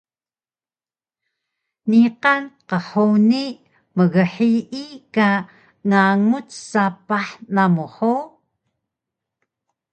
Niqan qhuni mghiyi ka nganguc sapah namu hug?